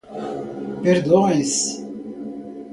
Perdões